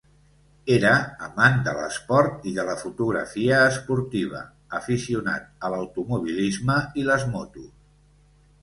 Era amant de l'esport i de la fotografia esportiva, aficionat a l'automobilisme i les motos.